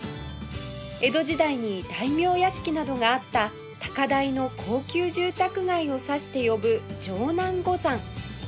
江戸時代に大名屋敷などがあった高台の高級住宅街を指して呼ぶ「城南五山」